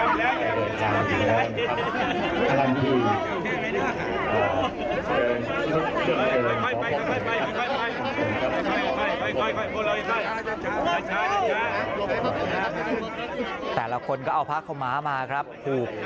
นายกครับแต่ละคนก็เอาผ้าเข้ามามาครับหูบ